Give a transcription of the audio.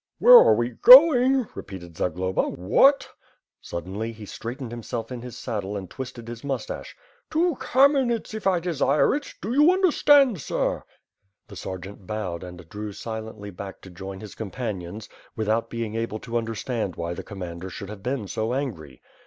'' "Where are we going?'' repeated Zagloba, "what?" Suddenly, he straightened himself in his saddle and twisted his moustache, "To Kamenets if I desire it! Do you under rtand, sirP 473 474 ^^^^^^^^^^^ SWORD. The sergeant bowed and drew silently back to join his companions, without being able to understand why the com mander should have been so angry.